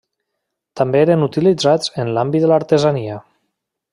També eren utilitzats en l'àmbit de l'artesania.